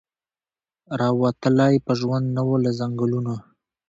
را وتلی په ژوند نه وو له ځنګلونو